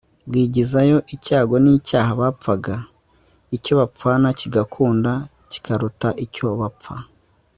bwigizayo icyago n'icyaha bapfaga. icyo bapfana kigakunda kikaruta icyo bapfa